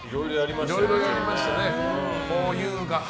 いろいろやりましたね。